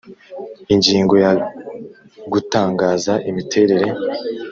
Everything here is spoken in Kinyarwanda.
Ingingo ya Gutangaza imiterere